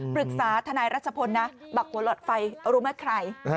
ปรึกษาทนายรัชพลนะบักหัวหลอดไฟรู้ไหมใคร